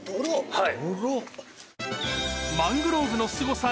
はい。